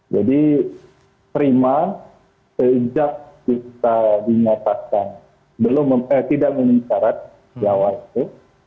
jadi prima sejak kita dinyatakan tidak mencarat jawab itu